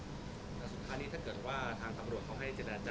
สุดท้านี้ถ้าเกิดทางฝรุ่มเขาให้เพราะสมความเจตนาจา